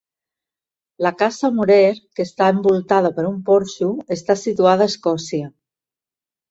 La casa Meurer, que està envoltada per un porxo, està situada a Escòcia.